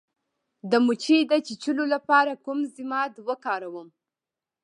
د مچۍ د چیچلو لپاره کوم ضماد وکاروم؟